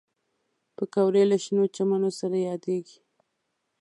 پکورې له شنو چمنو سره یادېږي